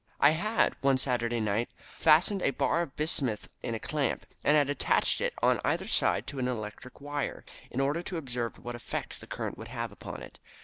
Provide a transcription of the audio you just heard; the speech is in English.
"I had one Saturday night fastened a bar of bismuth in a clamp, and had attached it on either side to an electric wire, in order to observe what effect the current would have upon it.